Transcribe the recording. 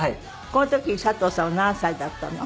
この時佐藤さんは何歳だったの？